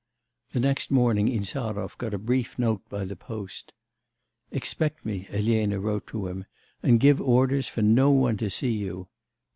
The next morning Insarov got a brief note by the post. 'Expect me,' Elena wrote to him, 'and give orders for no one to see you.